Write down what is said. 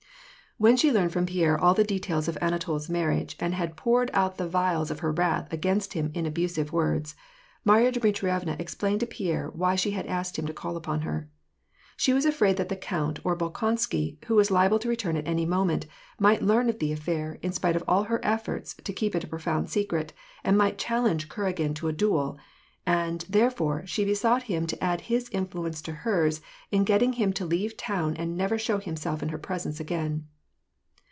When she learned from Pierre all the details of Anatol's ~ marriage, and had poured out the vials of her wrath against him in abusive words, Marya Dmitrievna explained to Pierre why she had asked him to call upon her. She was afraid that the count or Bolkonsky — who was liable to return at any moment — might learn of the affair, in spite of all her efforts to keep it a profound secret, and might challenge Kuragin to a duel ; and, therefore, she besought him to add his influence to hers in getting him to leave town and never show himself in her presence again.